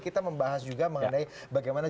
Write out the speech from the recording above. kita membahas juga mengenai bagaimana